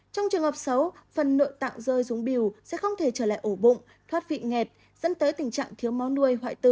trong trường hợp xấu phần nội tạng rơi rúng bìu sẽ không thể trở lại ổ bụng thoát vị nghẹt dẫn tới tình trạng thiếu máu nuôi hoại tử